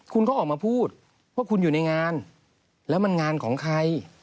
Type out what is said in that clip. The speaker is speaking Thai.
คุณก็ออกมาพูดว่าคุณอยู่ในงานแล้วมันงานของใคร